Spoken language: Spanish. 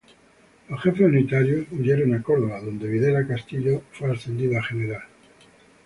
Los jefes unitarios huyeron a Córdoba, donde Videla Castillo fue ascendido a general.